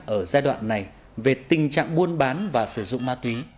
ở giai đoạn này về tình trạng buôn bán và sử dụng ma túy